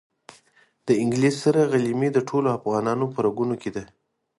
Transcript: د انګلیس سره غلیمي د ټولو افغانانو په رګونو کې ده.